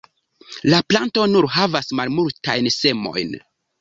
La planto nur havas malmultajn semojn.